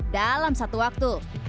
dalam satu waktu